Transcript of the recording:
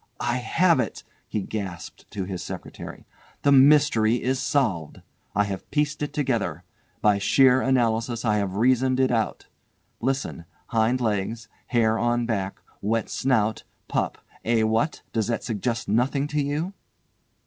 "I have it," he gasped to his secretary. "The mystery is solved. I have pieced it together. By sheer analysis I have reasoned it out. Listen—hind legs, hair on back, wet snout, pup—eh, what? does that suggest nothing to you?"